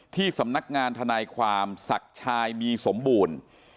ที่สำนักงานทนายความศักดิ์ชายมีสมบูรณ์